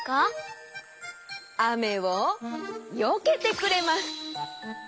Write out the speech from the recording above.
あめをよけてくれます。